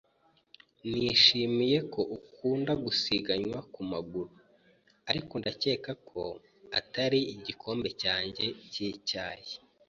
Nishimiye ko ukunda gusiganwa ku maguru, ariko ndakeka ko atari igikombe cyanjye cy'icyayi.